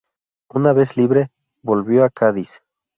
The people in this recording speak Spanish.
Una vez libre, volvió a Cádiz.